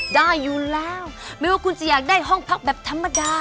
ได้อยู่แล้วไม่ว่าคุณจะอยากได้ห้องพักแบบธรรมดา